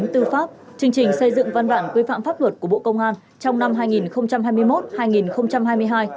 tư pháp chương trình xây dựng văn bản quy phạm pháp luật của bộ công an trong năm hai nghìn hai mươi một hai nghìn hai mươi hai